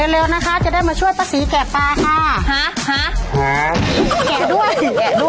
เร็วจะได้มาช่วยบ้าศรีแกะปลานะครับ